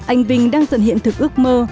anh vinh đang dần hiện thực ước mơ